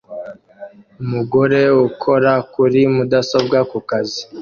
Umugabo ukora kuri mudasobwa kukazi